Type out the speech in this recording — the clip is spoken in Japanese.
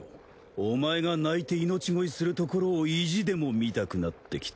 お前が泣いて命乞いするところを意地でも見たくなってきた。